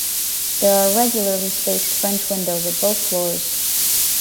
There are regularly spaced French windows at both floors.